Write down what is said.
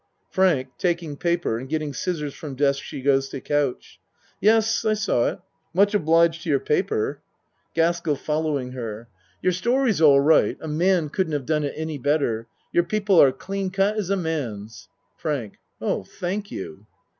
FRANK (Taking paper and getting scissors from desk she goes to couch.) Yes, I saw it. Much obliged to your paper. GASKELL (Following her.) Your story's all 40 A MAN'S WORLD right a man couldn't have done it any better your people are clean cut as a man's. FRANK Oh, thank you.